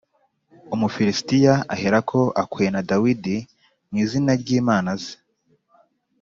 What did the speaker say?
Umufilisitiya aherako akwena Dawidi mu izina ry’imana ze.